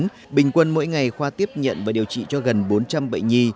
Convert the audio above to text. trong tháng một mươi bình quân mỗi ngày khoa tiếp nhận và điều trị cho gần bốn trăm linh bệnh nhi